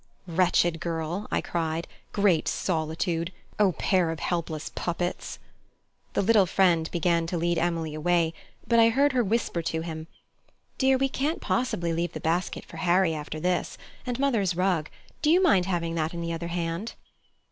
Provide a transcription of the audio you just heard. "Wretched girl!" I cried. "Great solitude! O pair of helpless puppets " The little friend began to lead Emily away, but I heard her whisper to him: "Dear, we can't possibly leave the basket for Harry after this: and mother's rug; do you mind having that in the other hand?"